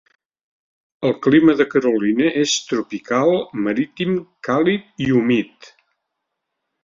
El clima de Carolina és tropical marítim càlid i humit.